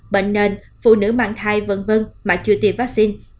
bệnh nền phụ nữ mang thai v v mà chưa tiêm vaccine